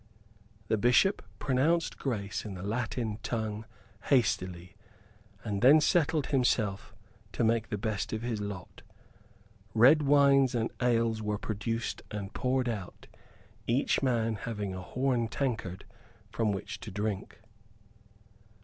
The Bishop pronounced grace in the Latin tongue hastily; and then settled himself to make the best of his lot. Red wines and ales were produced and poured out, each man having a horn tankard from which to drink.